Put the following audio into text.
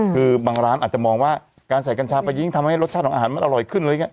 คือบางร้านอาจจะมองว่าการใส่กัญชาไปยิ่งทำให้รสชาติของอาหารมันอร่อยขึ้นอะไรอย่างนี้